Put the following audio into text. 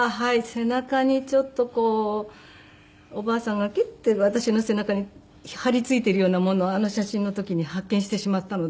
背中にちょっとこうおばあさんがギュッて私の背中に張りついているようなものをあの写真の時に発見してしまったので。